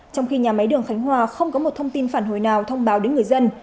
trong khi nhà máy đường khánh hòa không có một thông tin phản hồi nào thông báo đến người dân